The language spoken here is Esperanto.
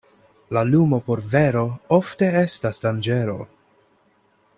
La lumo por vero ofte estas danĝero.